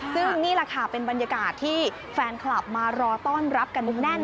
ซึ่งนี่แหละค่ะเป็นบรรยากาศที่แฟนคลับมารอต้อนรับกันแน่น